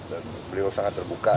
dan beliau sangat terbuka